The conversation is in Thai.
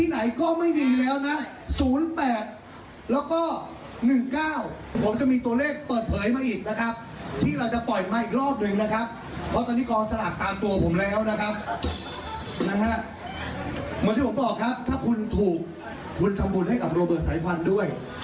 เหมือนที่ผมบอกครับถ้าคุณถูกคุณทำบุญให้กับโรเบิร์ตสายพันธุ์ด้วย